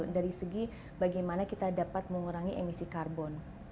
dari segi bagaimana kita dapat mengurangi emisi karbon